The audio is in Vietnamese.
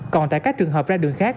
còn tại các trường hợp ra đường khác